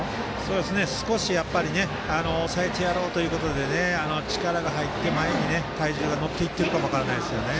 少し抑えてやろうということで力が入って、前に体重が乗っているかも分からないですね。